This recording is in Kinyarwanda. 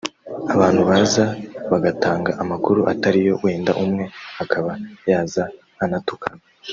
abantu baza bagatanga amakuru atariyo wenda umwe akaba yaza anatukana